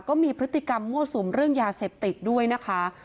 ก็มีพฤติกรรมมั่วสุมเรื่องยาเสพติดด้วยนะคะ